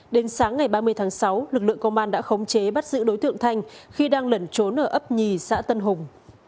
đến sáng ngày ba mươi tháng sáu lực lượng công an đã khống chế bắt giữ đối tượng thanh khi đang lẩn trốn ở ấp nhì xã tân hùng